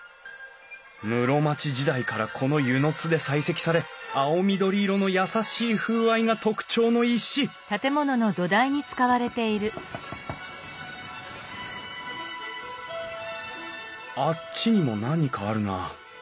室町時代からこの温泉津で採石され青緑色の優しい風合いが特徴の石あっちにも何かあるな。